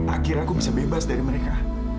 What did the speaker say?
akhirnya aku bisa bebas dari mereka